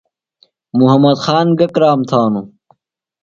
محمد خان گہ کرام تھانوۡ؟